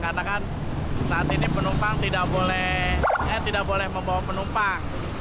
karena kan saat ini penumpang tidak boleh membawa penumpang